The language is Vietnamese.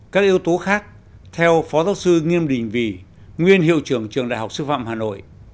các yếu tố khác theo phó giáo sư nghiêm đình vì nguyên hiệu trưởng trường đại học sư phạm hà nội